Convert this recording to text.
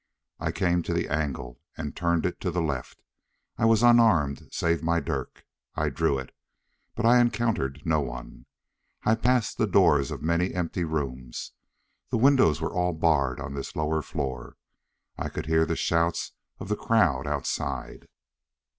I came to the angle and turned it to the left. I was unarmed save my dirk. I drew it. But I encountered no one. I passed the doors of many empty rooms. The windows were all barred on this lower floor. I could hear the shouts of the crowd outside.